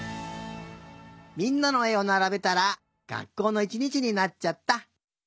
みんなのえをならべたらがっこうのいちにちになっちゃった！